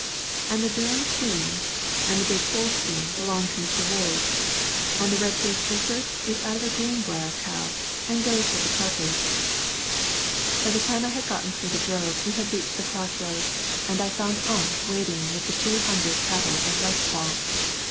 An' the Durham's Queen's, an' the big Holstein belongs to Mr. Ward, an' the red faced Hereford is out of a Greenbrier cow an' goes with the Carper's." By the time I had gotten through the drove we had reached the crossroads, and I found Ump waiting with the two hundred cattle of Westfall.